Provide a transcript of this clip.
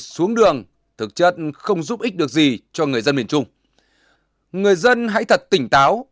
xuống đường thực chất không giúp ích được gì cho người dân miền trung người dân hãy thật tỉnh táo